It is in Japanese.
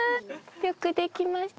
よくできました。